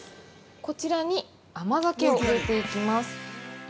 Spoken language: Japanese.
こちらに甘酒を入れていきます。